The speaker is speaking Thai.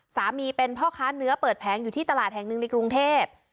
สามีเป็นพ่อค้าเนื้อเปิดแผงอยู่ที่ตลาดแห่งหนึ่งในกรุงเทพ